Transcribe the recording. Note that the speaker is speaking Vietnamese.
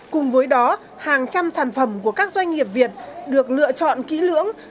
cùng với đó hàng trăm sản phẩm của các doanh nghiệp việt được lựa chọn kỹ lưỡng